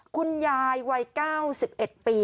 คุณยายวัยเก้า๑๑ปี